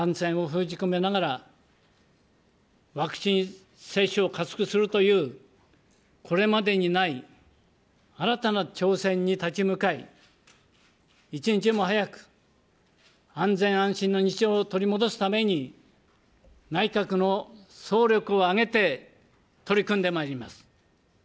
感染を封じ込めながら、ワクチン接種を加速するという、これまでにない新たな挑戦に立ち向かい、一日も早く安全安心の日常を取り戻すために、内閣の総力を挙げて取り組んでまいります。